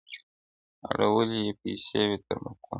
اړولي يې پيسې وې تر ملكونو،،!